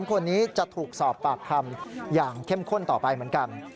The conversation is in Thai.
คนนี้จะถูกสอบปากคำอย่างเข้มข้นต่อไปเหมือนกัน